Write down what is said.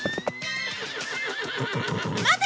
待て！